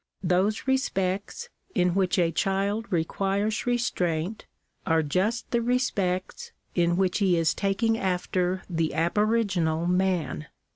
Those respects in which a child requires restraint, are just the respects in which he is taking after the aboriginal man.